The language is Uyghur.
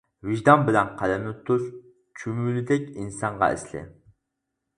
ۋىجدان بىلەن قەلەمنى تۇتۇش، چۈمۈلىدەك ئىنسانغا ئەسلى.